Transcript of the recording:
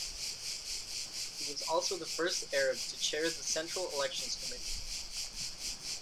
He was also the first Arab to chair the Central Elections Committee.